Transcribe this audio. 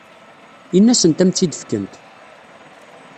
Ini-asent ad am-tt-id-fkent.